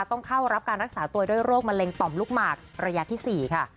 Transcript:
ต้องเข้ารับการรักษาตัวด้วยโรคมะเร็งต่อมลูกหมากระยะที่๔ค่ะ